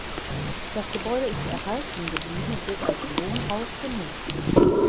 Das Gebäude ist erhalten geblieben und wird als Wohnhaus genutzt.